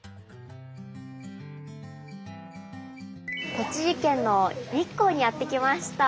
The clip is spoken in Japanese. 栃木県の日光にやって来ました。